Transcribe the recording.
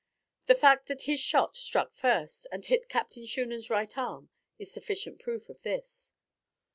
The fact that his shot struck first and hit Captain Shunan's right arm is sufficient proof of this.